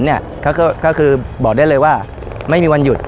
ก็คือบอกได้เลยว่าไม่มีวันหยุด